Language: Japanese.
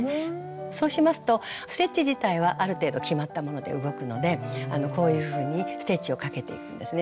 そうしますとステッチ自体はある程度決まったもので動くのでこういうふうにステッチをかけていくんですね。